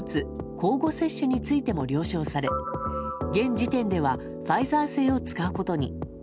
交互接種についても了承され現時点ではファイザー製を使うことに。